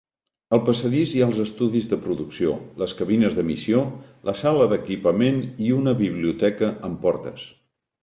Al passadís hi ha els estudis de producció, les cabines d'emissió, la sala d'equipament i una biblioteca amb portes.